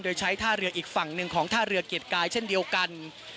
โดยใช้ท่าเรืออีกฝั่งหนึ่งของท่าเรือเกียรติกายเช่นเดียวกัน